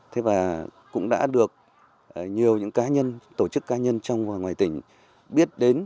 thế và cũng đã được nhiều những cá nhân tổ chức cá nhân trong và ngoài tỉnh biết đến